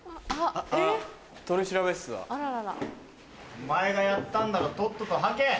お前がやったんだろとっとと吐け！